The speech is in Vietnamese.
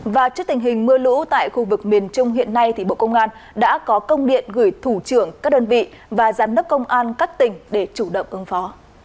và trước tình hình mưa lũ tại khu vực miền trung hiện nay thì bộ công an đã có công điện gửi thủ trưởng các đơn vị và giám đốc công an các tỉnh để chủ động ứng phó